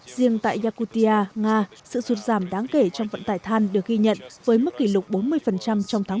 riêng tại yakutia nga sự sụt giảm đáng kể trong vận tải than được ghi nhận với mức kỷ lục bốn mươi trong tháng một